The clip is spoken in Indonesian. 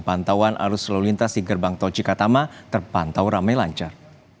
pantauan arus lalu lintas di gerbang tol cikatama terpantau ramai lancar